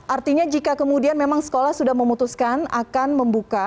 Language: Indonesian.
artinya jika kemudian memang sekolah sudah memutuskan akan membuka